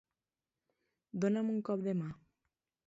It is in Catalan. Dona'm un cop de mà